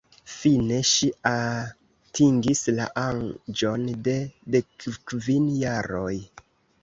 Fine ŝi atingis la aĝon de dekkvin jaroj.